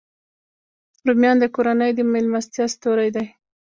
رومیان د کورنۍ د میلمستیا ستوری دی